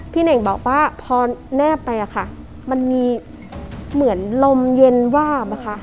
เน่งบอกว่าพอแนบไปอะค่ะมันมีเหมือนลมเย็นวาบอะค่ะ